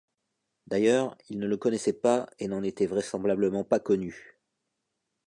D’ailleurs, il ne le connaissait pas et n’en était vraisemblablement pas connu.